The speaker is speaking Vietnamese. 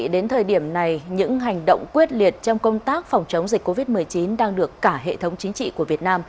đến thời điểm này những hành động quyết liệt trong công tác phòng chống dịch covid một mươi chín đang được cả hệ thống chính trị của việt nam